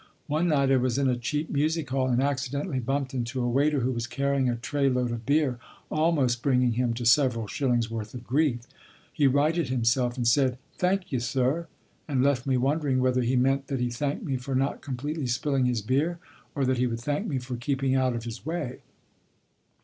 One night I was in a cheap music hall and accidentally bumped into a waiter who was carrying a tray load of beer, almost bringing him to several shillings' worth of grief. To my amazement he righted himself and said: "Thank ye, sir," and left me wondering whether he meant that he thanked me for not completely spilling his beer, or that he would thank me for keeping out of his way.